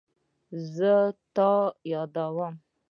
زه تا یادوم